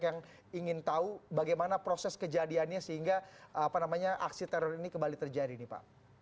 yang ingin tahu bagaimana proses kejadiannya sehingga aksi teror ini kembali terjadi nih pak